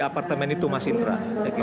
apartemen itu mas indra saya kira